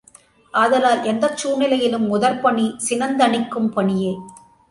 ஆதலால், எந்தச் சூழ்நிலையிலும் முதற்பணி சினந்தனிக்கும் பணியே.